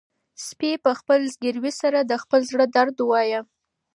سپي په خپل زګیروي سره د خپل زړه درد ووايه.